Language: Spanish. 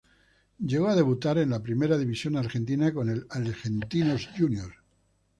Llegó a debutar en la Primera División Argentina con el Argentinos Juniors.